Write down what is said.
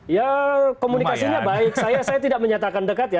ya komunikasinya baik saya tidak menyatakan dekat ya